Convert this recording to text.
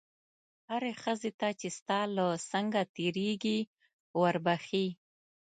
هرې ښځې ته چې ستا له څنګه تېرېږي وربښې.